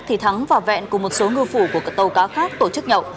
thì thắng và vẹn cùng một số ngư phủ của các tàu cá khác tổ chức nhậu